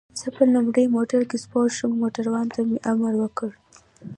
زه په لومړي موټر کې سپور شوم، موټروان ته مې امر وکړ.